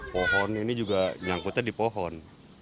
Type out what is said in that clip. pohon ini juga nyangkutnya di pohon